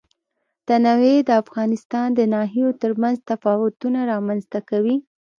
تنوع د افغانستان د ناحیو ترمنځ تفاوتونه رامنځ ته کوي.